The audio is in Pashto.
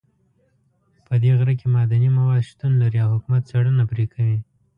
په دې غره کې معدني مواد شتون لري او حکومت څېړنه پرې کوي